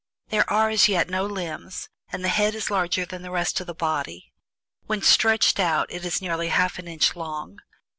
There are as yet no limbs, and the head is larger than the rest of the body. When stretched out it is nearly half an inch long.